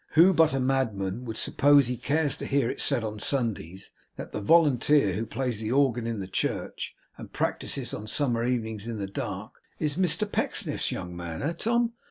Who but a madman would suppose he cares to hear it said on Sundays, that the volunteer who plays the organ in the church, and practises on summer evenings in the dark, is Mr Pecksniff's young man, eh, Tom?